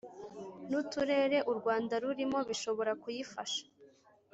N uturere u rwanda rurimo bishobora kuyifasha